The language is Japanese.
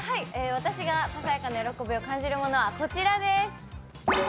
私がささやかな喜びを感じるものは、こちらです。